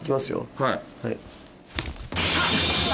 はい。